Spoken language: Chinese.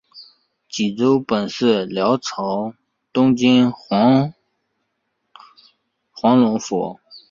济州本是辽朝东京道黄龙府。